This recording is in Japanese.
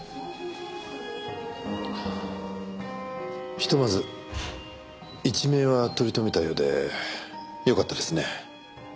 ひとまず一命は取り留めたようでよかったですね。